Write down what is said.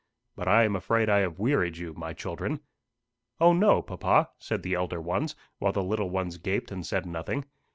But I am afraid I have wearied you, my children." "O, no, papa!" said the elder ones, while the little ones gaped and said nothing.